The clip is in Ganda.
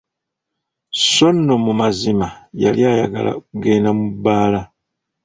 Sso nno mu mazima yali ayagala kugenda mu bbaala!